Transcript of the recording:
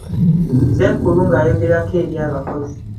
Ssenkulu ng'ayogerako eri abakozi.